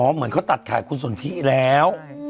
อ๋อเหมือนเขาตัดถ่ายคุณสนทิแล้วอืม